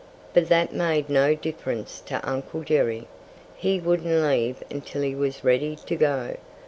But that made no difference to Uncle Jerry. He wouldn't leave until he was ready to go.